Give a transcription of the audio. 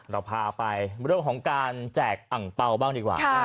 เราพาไปเรื่องของการแจกอังเปล่าบ้างดีกว่า